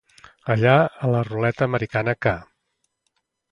Allà a la ruleta americana que.